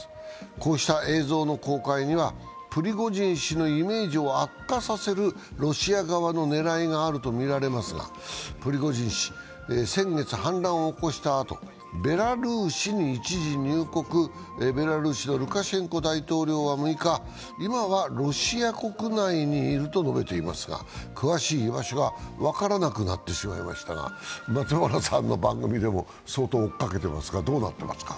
こうした映像の公開にはプリゴジン氏のイメージを悪化させるロシア側の狙いがあるとみられますが、プリゴジン氏、先月、反乱を起こしたあと、ベラルーシに一時入国、ベラルーシのルカシェンコ大統領は６日、今はロシア国内にいると述べていますが詳しい居場所は分からなくなってしまいましたが、松原さんの番組でも相当追いかけてますがどうなっていますか。